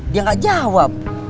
dia nggak jawab